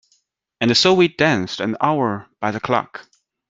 And so we danced an hour by the clock.